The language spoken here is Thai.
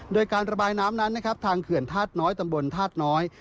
โดยการระบายน้ำนั้นนะครับทางเขื่อนธาตุน้อยตำบลธาตุน้อย